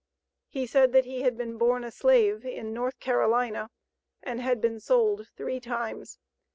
He said that he was born a slave in North Carolina, and had been sold three times.